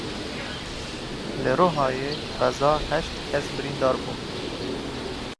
Li Rihayê qeza heşt kes birîndar bûn.